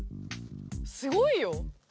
すごいよ。